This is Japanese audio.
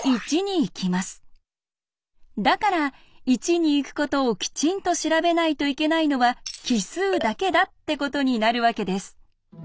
だから１に行くことをきちんと調べないといけないのは奇数だけだってことになるわけです。